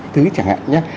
thứ chẳng hạn nhé